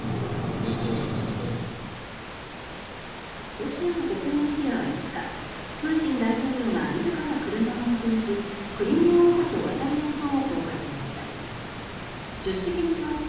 ロシアの国営メディアは５日プーチン大統領が自ら車を運転しクリミア大橋を渡る映像を公開しました。